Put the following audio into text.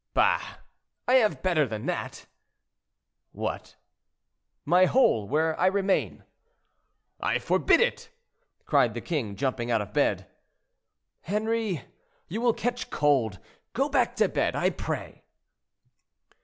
"Bah! I have better than that." "What?" "My hole, where I remain." "I forbid it," cried the king, jumping out of bed. "Henri, you will catch cold; go back to bed, I pray."